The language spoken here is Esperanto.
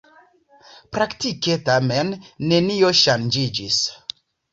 Praktike tamen nenio ŝanĝiĝis.